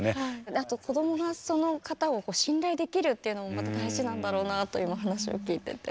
あと子どもがその方を信頼できるっていうのもまた大事なんだろうなと今話を聞いてて。